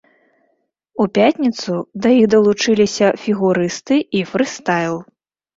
У пятніцу да іх далучыліся фігурысты і фрыстайл.